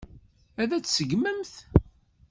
Ad tt-tseggmemt?